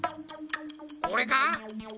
これか？